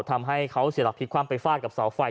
ทำให้เขาเสียหลักพลิกความไปฟาดกับเสาไฟ